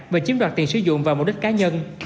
và chiếm đoạt tiền sử dụng vào mục đích cá nhân